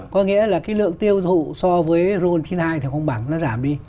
có nghĩa là cái lượng tiêu thụ so với ron chín mươi hai thì công bằng nó giảm đi